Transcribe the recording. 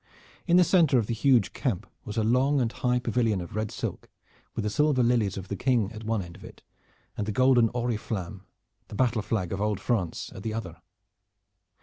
In the center of the huge camp was a long and high pavilion of red silk, with the silver lilies of the King at one end of it, and the golden oriflamme, the battle flag of old France, at the other.